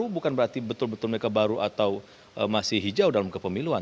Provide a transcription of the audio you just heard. bukan berarti betul betul mereka baru atau masih hijau dalam kepemiluan